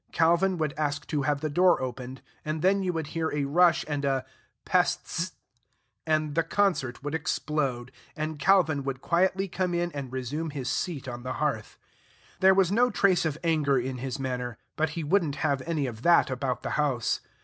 Calvin would ask to have the door opened, and then you would hear a rush and a "pestzt," and the concert would explode, and Calvin would quietly come in and resume his seat on the hearth. There was no trace of anger in his manner, but he would n't have any of that about the house.